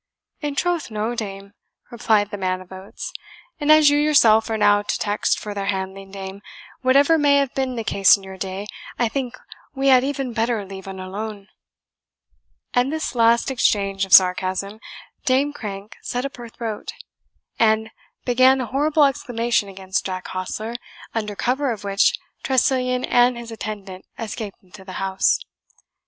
"In troth no, dame," replied the man of oats; "and as you yourself are now no text for their handling, dame, whatever may have been the case in your day, I think we had e'en better leave un alone." At this last exchange of sarcasm, Dame Crank set up her throat, and began a horrible exclamation against Jack Hostler, under cover of which Tressilian and his attendant escaped into the house.